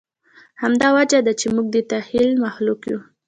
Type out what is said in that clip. همدا وجه ده، چې موږ د تخیل مخلوق یو.